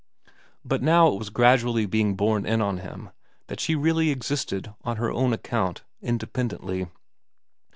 But now it was gradually being borne in on him that she really existed, on her own account, independently.